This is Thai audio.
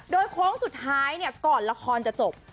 โดยโค้งสุดท้ายก่อนละครจะจบ